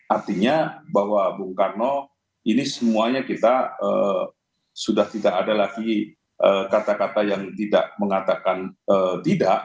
artinya bahwa bung karno ini semuanya kita sudah tidak ada lagi kata kata yang tidak mengatakan tidak